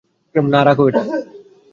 না রাখো এটা।